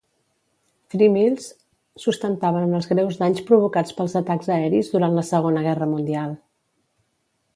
Three Mills sustentaven els greus danys provocats pels atacs aeris durant la Segona Guerra Mundial.